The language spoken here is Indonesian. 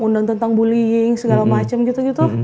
undang undang bullying segala macem gitu gitu